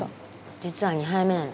実は２杯目なの。